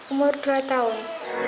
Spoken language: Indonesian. umur dua tahun